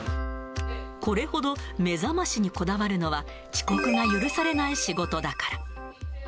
これほど目覚ましにこだわるのは、遅刻が許されない仕事だから。